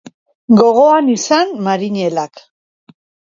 Gogoan izan marinelak.